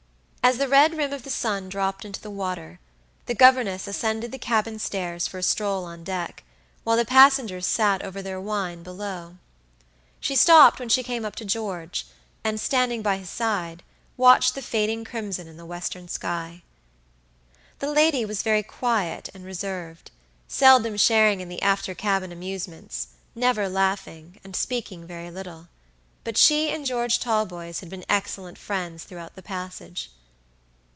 As the red rim of the sun dropped into the water, the governess ascended the cabin stairs for a stroll on deck, while the passengers sat over their wine below. She stopped when she came up to George, and, standing by his side, watched the fading crimson in the western sky. The lady was very quiet and reserved, seldom sharing in the after cabin amusements, never laughing, and speaking very little; but she and George Talboys had been excellent friends throughout the passage.